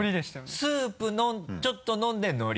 スープちょっと飲んで海苔。